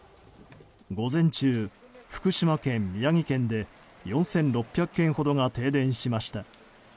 午前中、福島県、宮城県で４６００軒ほどが停電しました。